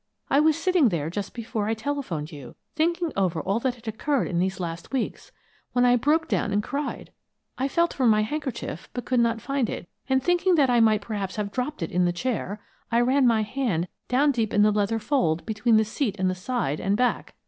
I was sitting there just before I telephoned you, thinking over all that had occurred in these last weeks, when I broke down and cried. I felt for my handkerchief, but could not find it, and thinking that I might perhaps have dropped it in the chair, I ran my hand down deep in the leather fold between the seat and the side and back.